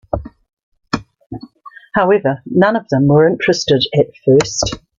However, none of them were interested at first.